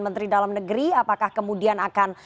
menteri dalam negeri apakah kemudian akan